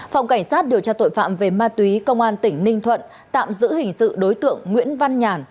pháp điều tra tội phạm về ma túy công an tỉnh ninh thuận tạm giữ hình sự đối tượng nguyễn văn nhàn